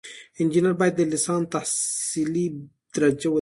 انجینر باید د لیسانس تحصیلي درجه ولري.